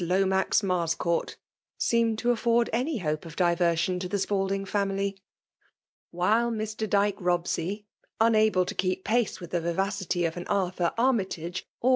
Lomax Mars court," seemed to afibrd any hope of diver moxk to tlie Spalding family. Whilo Mr. Dyke .Spbstyi unable to keep paee with the vivMify pf 9XU Arthur Armytage, or.